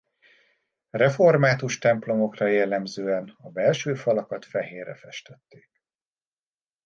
Református templomokra jellemzően a belső falakat fehérre festették.